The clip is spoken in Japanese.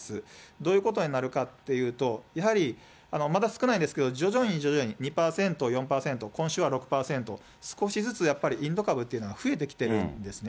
どういうことになるかっていうと、やはり、まだ少ないですけれども、徐々に徐々に２％、４％、今週は６％、少しずつやっぱりインド株というのは増えてきてるんですね。